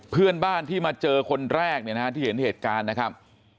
เพื่อนบ้านที่มาเจอคนแรกเนี่ยนะฮะที่เห็นเหตุการณ์นะครับ